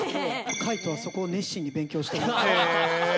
海人はそこを熱心に勉強してました。